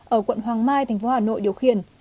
ở quận hoàng mai tp hà nội điều khiển